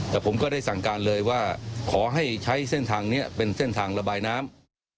แต่ผมก็ได้สั่งการเลยว่าขอให้ใช้เส้นทางนี้เป็นเส้นทางระบายน้ำ